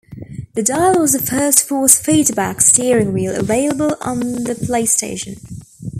The dial was the first force feedback steering wheel available on the PlayStation.